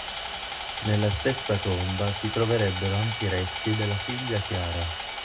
Nella stessa tomba si troverebbero anche i resti della figlia Chiara.